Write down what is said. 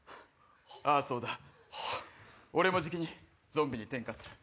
ああそうだ俺もじきにゾンビに転化する。